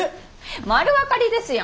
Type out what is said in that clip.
丸分かりですやん。